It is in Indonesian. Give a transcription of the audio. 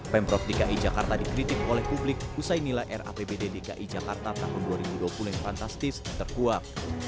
pemprov dki jakarta dikritik oleh publik usai nilai rapbd dki jakarta tahun dua ribu dua puluh yang fantastis terkuat